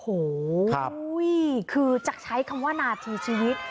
โอ้โหคือจะใช้คำว่านาทีชีวิต